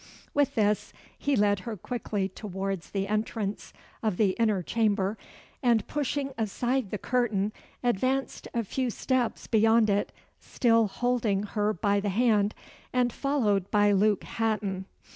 With this, he led her quickly towards the entrance of the inner chamber; and, pushing aside the curtain, advanced a few steps beyond it, still holding her by the hand, and followed by Luke Hatton.